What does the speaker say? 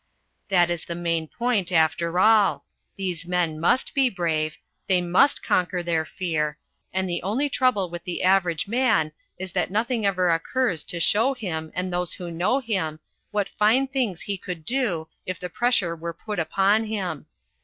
That is the main point, after all: these men must be brave, they must conquer their fear, and the only trouble with the average man is that nothing ever occurs to show him and those who know him what fine things he could do if the pressure were put upon him.